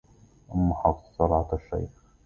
أم حفص صلعة الشيخ